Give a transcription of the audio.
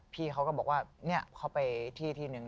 พี่เขาก็บอกว่าเขาไปที่นึง